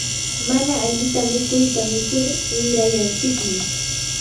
mana alli mikuyta mikur wirayanchikmi.